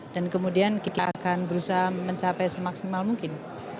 dan kemudian kita akan berusaha mencapai semaksimal mungkin